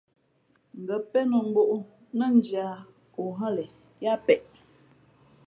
Ngα̌ pén mbᾱʼ ó nά ndhī ā ǒ hά le yáá peʼ.